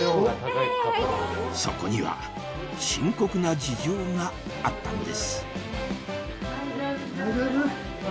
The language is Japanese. そこには深刻な事情があったんです